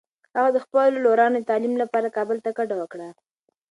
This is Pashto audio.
هغه د خپلو لورانو د تعلیم لپاره کابل ته کډه وکړه.